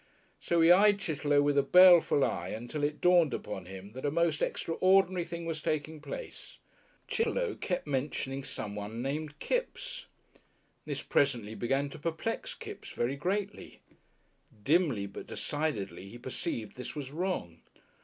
So he eyed Chitterlow with a baleful eye until it dawned upon him that a most extraordinary thing was taking place. Chitterlow kept mentioning someone named Kipps. This presently began to perplex Kipps very greatly. Dimly but decidedly he perceived this was wrong.